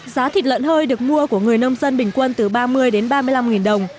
giá thịt lợn hơi được mua của người nông dân bình quân từ ba mươi đến ba mươi năm đồng